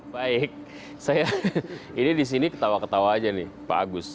baik ini disini ketawa ketawa aja nih pak agus